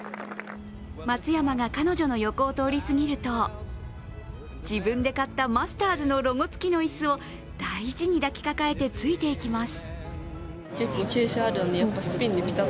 松山が彼女の横を通り過ぎると自分で買ったマスターズのロゴ付きの椅子を大事に抱きかかえて、ついて行きます。